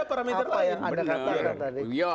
apa yang anda katakan tadi